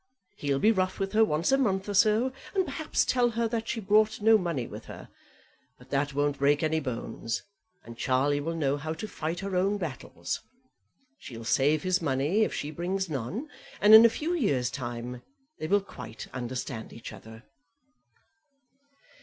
He'll be rough with her once a month or so, and perhaps tell her that she brought no money with her; but that won't break any bones, and Charlie will know how to fight her own battles. She'll save his money if she brings none, and in a few years' time they will quite understand each other."